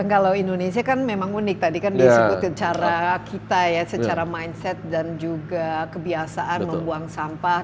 kalau indonesia kan memang unik tadi kan disebut cara kita ya secara mindset dan juga kebiasaan membuang sampah